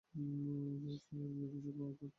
লোকটির যথেষ্ট প্রভাব-প্রতিপত্তিও দেখা গেল।